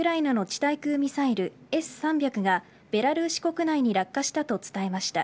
対空ミサイルＳ‐３００がベラルーシ国内に落下したと伝えました。